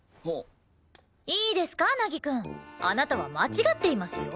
いいですか凪くんあなたは間違っていますよ。